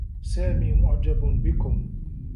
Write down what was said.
سامي معجب بكم.